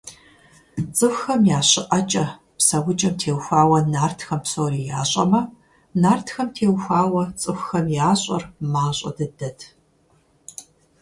ЦӀыхухэм я щыӀэкӀэ–псэукӀэм теухуауэ нартхэм псори ящӀэмэ, нартхэм теухуауэ цӀыхухэм ящӀэр мащӀэ дыдэт.